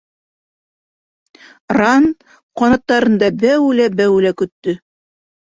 Ранн ҡанаттарында бәүелә-бәүелә көттө.